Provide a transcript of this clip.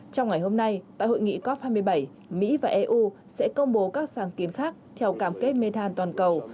trong ngày hôm nay tại hội nghị cop hai mươi bảy mỹ và eu sẽ công bố các sáng kiến khác theo cam kết methan toàn cầu